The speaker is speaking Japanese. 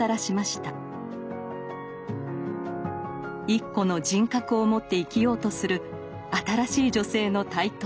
一個の人格を持って生きようとする新しい女性の台頭。